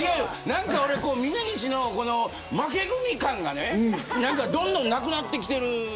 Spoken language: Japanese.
何か俺、峯岸の負け組感がどんどんなくなってきている。